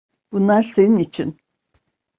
Bunlar senin için.